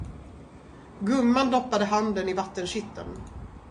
Gumman doppade handen i vattenkitteln.